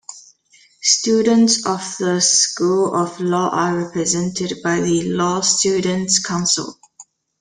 Students of the School of Law are represented by the Law Students' Council.